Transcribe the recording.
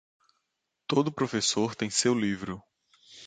Todo professor tem seu livro.